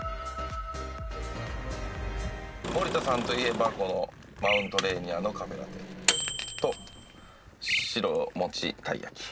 森田さんといえばこのマウントレーニアのカフェラテとしろもちたい焼き。